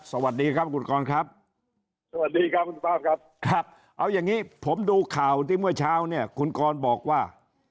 สวัสดีครับคุณกรครับ